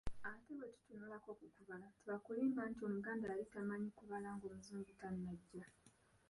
Ate bwe tutunuulirako ku kubala, tebakulimbanga nti Omuganda yali tamanyi kubala ng’Omuzungu tannajja!